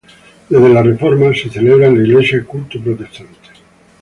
Desde la Reforma se celebra en la iglesia culto protestante.